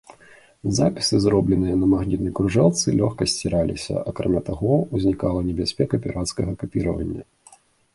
Запісы, зробленыя на магнітнай кружэлцы, лёгка сціраліся, акрамя таго, узнікала небяспека пірацкага капіравання.